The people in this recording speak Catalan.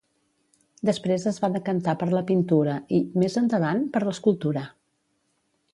Després es va decantar per la pintura i, més endavant, per l’escultura.